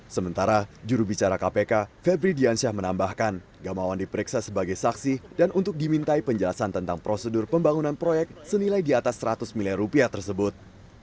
sementara jurubicara kpk febri diansyah menambahkan gamawan diperiksa sebagai saksi dan untuk dimintai penjelasan tentang prosedur pembangunan proyek senilai di atas seratus miliar rupiah tersebut